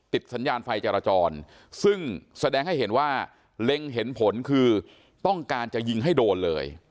สัญญาณไฟจราจรซึ่งแสดงให้เห็นว่าเล็งเห็นผลคือต้องการจะยิงให้โดนเลย